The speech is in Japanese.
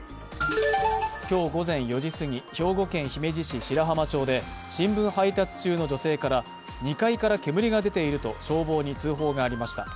今日午前４時過ぎ、兵庫県姫路市白浜町で、新聞配達中の女性から２階から煙が出ていると消防に通報がありました。